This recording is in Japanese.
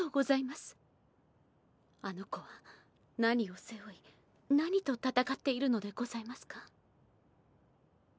あの子は何をせ負い何とたたかっているのでございますか？